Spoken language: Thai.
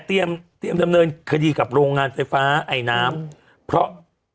เตรียมเตรียมดำเนินคดีกับโรงงานไฟฟ้าไอน้ำเพราะ